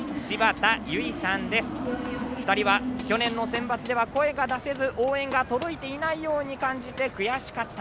お二人は去年のセンバツでは声が出せず応援が届いていないように感じて、悔しかった。